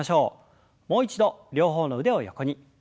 もう一度両方の腕を横に。